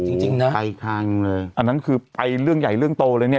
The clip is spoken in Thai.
จริงจริงนะไปคลังเลยอันนั้นคือไปเรื่องใหญ่เรื่องโตเลยเนี่ย